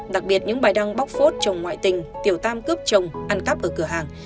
đặc biệt những bài đăng bóc phốt chồng ngoại tình tiểu tam cướp chồng ăn cắp ở cửa hàng